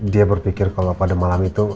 dia berpikir kalau pada malam itu